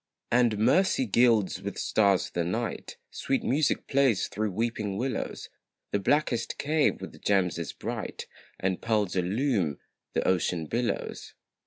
And mercy gilds with stars the night; Sweet music plays through weeping willows; The blackest cave with gems is bright, And pearls illume the ocean billows.